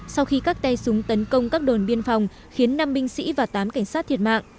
sau khi các tay súng tấn công các đồn biên phòng khiến năm binh sĩ và tám cảnh sát thiệt mạng